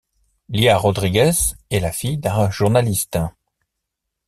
Lia Rodrigues est la fille d'un journaliste.